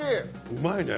うまいね。